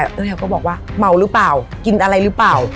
แล้วเขาก็บอกว่าเมาหรือเปล่ากินอะไรหรือเปล่า